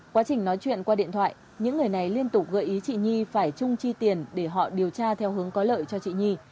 quá trình nói chuyện qua điện thoại những người này liên tục gợi ý chị nhi phải chung chi tiền để họ điều tra theo hướng có lợi cho chị nhi